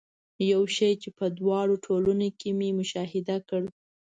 یو شی چې په دواړو ټولنو کې مې مشاهده کړ.